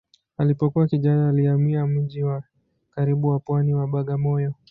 Alipokuwa kijana alihamia mji wa karibu wa pwani wa Bagamoyo.